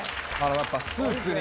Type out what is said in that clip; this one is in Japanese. やっぱスーツに。